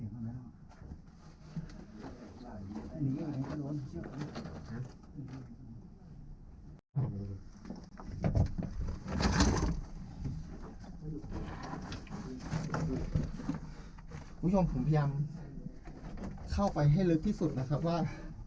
คุณผู้ชมผมพยายามเข้าไปให้ลึกที่สุดนะครับว่า